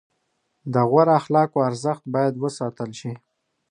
د غوره اخلاقو ارزښت باید وساتل شي.